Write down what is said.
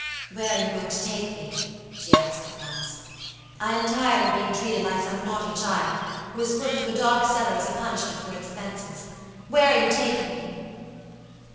"Where are you going to take me?" she asked, at last. "I am tired of being treated like some naughty child, who is put into a dark cellar as a punishment for its offenses. Where are you taking me?"